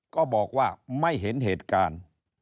ก็บอกว่าไม่เห็นเหตุการณ์